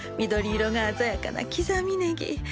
緑色のあざやかな刻みねぎ。